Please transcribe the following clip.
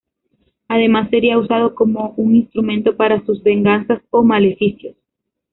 Además sería usado como un instrumento para sus venganzas o maleficios.